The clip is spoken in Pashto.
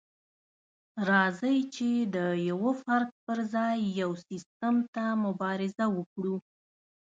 راځئ چې د يوه فرد پر ځای يو سيستم ته مبارزه وکړو.